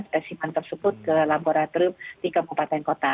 spesimen tersebut ke laboratorium di kabupaten kota